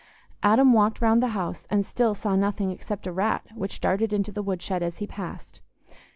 Adam walked round the house, and still saw nothing except a rat which darted into the woodshed as he passed.